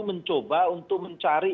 mencoba untuk mencari